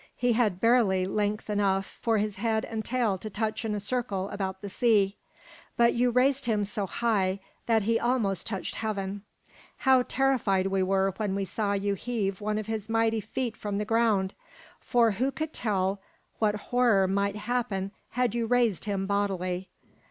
He had barely length enough for his head and tail to touch in a circle about the sea. But you raised him so high that he almost touched heaven. How terrified we were when we saw you heave one of his mighty feet from the ground! For who could tell what horror might happen had you raised him bodily.